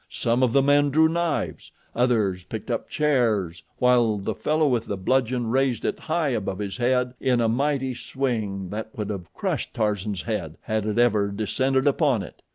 Some of the men drew knives. Others picked up chairs, while the fellow with the bludgeon raised it high above his head in a mighty swing that would have crushed Tarzan's head had it ever descended upon it.